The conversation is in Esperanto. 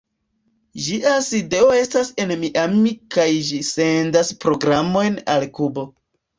Ĝia sidejo estas en Miami kaj ĝi sendas programojn al Kubo.